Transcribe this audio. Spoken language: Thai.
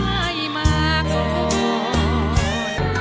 โอ้โหสายตาโอ้โห